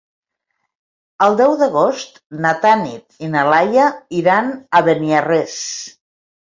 El deu d'agost na Tanit i na Laia iran a Beniarrés.